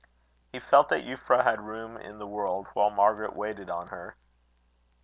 He felt that Euphra had room in the world while Margaret waited on her.